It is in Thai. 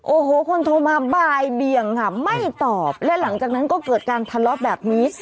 โอ้โหคนโทรมาบ่ายเบียงค่ะไม่ตอบและหลังจากนั้นก็เกิดการทะเลาะแบบนี้